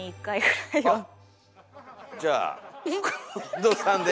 じゃあ近藤さんで。